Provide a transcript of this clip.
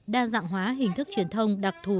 đa dạng hóa hình thức truyền thông đặc thù